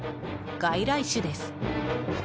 外来種です。